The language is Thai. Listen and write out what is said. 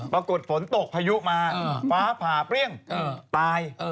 ปรากฏฝนตกพายุมาฟ้าผ่าเปรี้ยงตาย